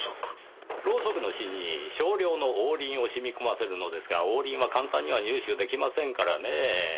ろうそくの芯に少量の黄リンを染み込ませるのですが黄リンは簡単には入手できませんからねぇ。